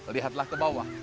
lihatlah ke bawah